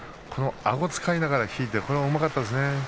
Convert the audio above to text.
あごを使いながら引いたあれはうまかったです。